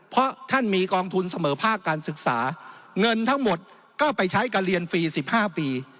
เพราะท่านมีกองทุนเสมอภาคการศึกษาเงินทั้งหมดก็ไปใช้การเรียนฟรี๑๕ปี